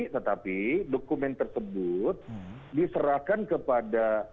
tetapi dokumen tersebut diserahkan kepada